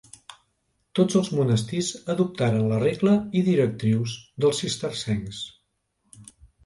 Tots els monestirs adoptaren la regla i directrius dels cistercencs.